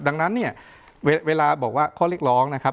ดังนั้นเนี่ยเวลาบอกว่าข้อเรียกร้องนะครับ